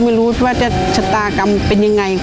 ไม่รู้ว่าจะชะตากรรมเป็นยังไง